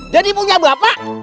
jadi punya bapak